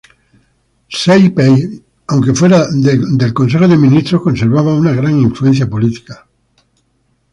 Seipel, aunque fuera del Consejo de Ministros, conservaba una gran influencia política.